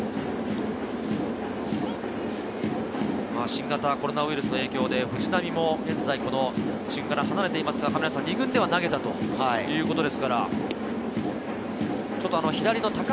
新型コロナウイルスの影響で藤浪も現在この１軍から離れていますが、２軍では投げたということですから。